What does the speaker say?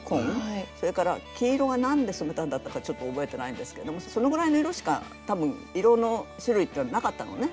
それから黄色が何で染めたんだったかちょっと覚えてないんですけどもそのぐらいの色しか多分色の種類っていうのはなかったのね。